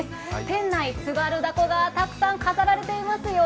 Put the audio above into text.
店内、津軽凧がたくさん飾られていますよ。